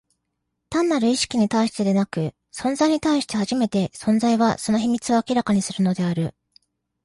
単なる意識に対してでなく、存在に対して初めて、存在は、その秘密を明らかにするのである。